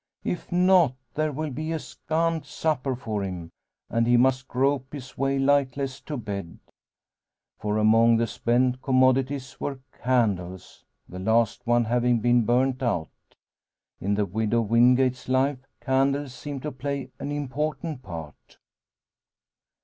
If not, there will be a scant supper for him, and he must grope his way lightless to bed; for among the spent commodities were candles, the last one having been burnt out. In the widow Wingate's life candles seem to play an important part!